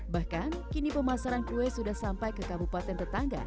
bahkan kini pemasaran kue sudah sampai ke kabupaten tetangga